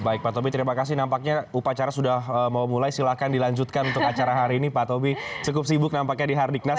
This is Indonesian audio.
baik pak tobi terima kasih nampaknya upacara sudah mau mulai silakan dilanjutkan untuk acara hari ini pak tobi cukup sibuk nampaknya di hardiknas